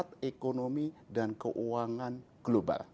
sebagai pusat ekonomi dan keuangan global